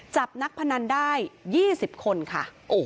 จับนักพนันได้๒๐คนค่ะ